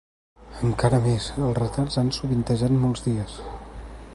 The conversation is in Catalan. Encara més, els retards han sovintejat molts dies.